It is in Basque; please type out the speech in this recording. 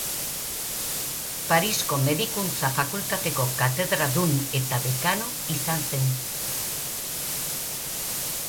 Parisko Medikuntza Fakultateko katedradun eta dekano izan zen.